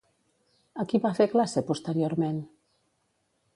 A qui va fer classe posteriorment?